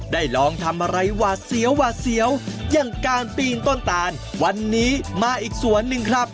ได้ลองทำอะไรหวาดเสียวหวาดเสียวอย่างการปีนต้นตานวันนี้มาอีกสวนหนึ่งครับ